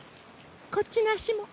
こっちのあしも。